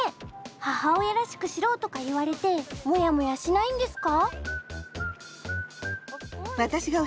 「母親らしくしろ」とか言われてもやもやしないんですか？